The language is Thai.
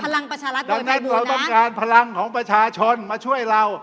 ดังนั้นเราต้องการพลังของประชาชนมาช่วยเรา